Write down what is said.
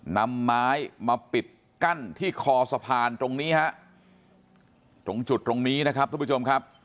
นำไม้มาปิดกั้นที่คอสะพานตรงนี้ฮะตรงจุดตรงนี้นะครับทุกผู้ชมครับ